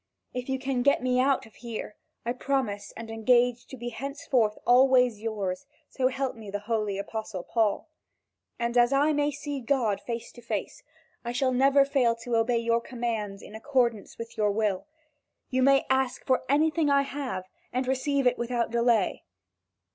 If you can get me out of here, I promise and engage to be henceforth always yours, so help me the holy Apostle Paul! And as I may see God face to face, I shall never fail to obey your commands in accordance with your will. You may ask for anything I have, and receive it without delay."